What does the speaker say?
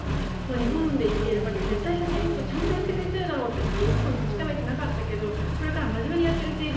日本で生きている限り絶対車検とかちゃんとやってくれているだろうっていちいち確かめてなかったけどこれから真面目にやってる整備